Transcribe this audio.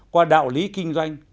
qua đạo lý kinh doanh